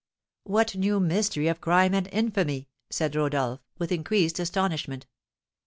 "What new mystery of crime and infamy?" said Rodolph, with increased astonishment.